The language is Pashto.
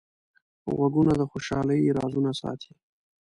غوږونه د خوشحالۍ رازونه ساتي